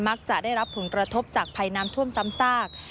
มักจะได้รับผลกระทบจากภัยน้ำท่วมซ้ำซาก